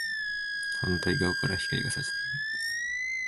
反対側から光が射している